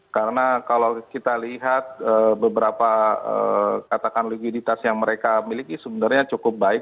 karena kalau kita lihat beberapa katakan legitimitas yang mereka miliki sebenarnya cukup baik